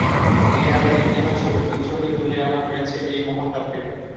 ইরানের ইতিহাস ও ঐতিহ্যকে তুলে আনা হয়েছে এই মহাকাব্যে।